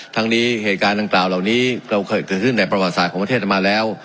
ทั้งนี้เหตุการณ์ดังกล่าวเหล่านี้เราเคยเกิดขึ้นในประวัติศาสตร์ของประเทศมาแล้ว